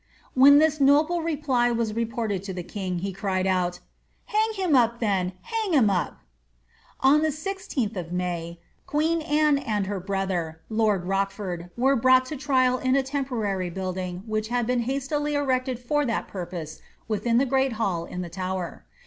When this noble reply was reported to the king, he cried out, " Hang him up then, hang him up !"' On the 1 6th of May, queen Anne and her brother, lord Rochford, were brought to trial in a temporary building which had been hastily erected f«>r that purpose within the great hall in the Tower.